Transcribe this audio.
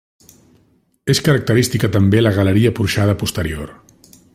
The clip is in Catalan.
És característica també la galeria porxada posterior.